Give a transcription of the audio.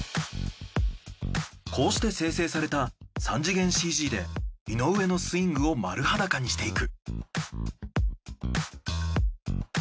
こうして生成された３次元ＣＧで井上のスイングを丸裸にしていく。